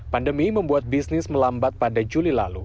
pandemi membuat bisnis melambat pada juli lalu